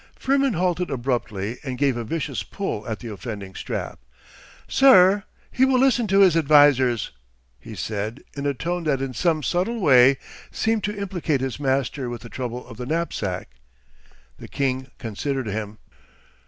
Firmin halted abruptly and gave a vicious pull at the offending strap. 'Sir, he will listen to his advisers,' he said, in a tone that in some subtle way seemed to implicate his master with the trouble of the knapsack. The king considered him.